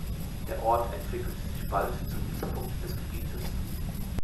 Der Ort entwickelte sich bald zum Mittelpunkt des Gebietes.